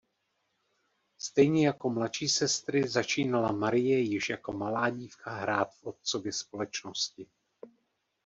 Stejně jako mladší sestry začínala Marie již jako malá dívka hrát v otcově společnosti.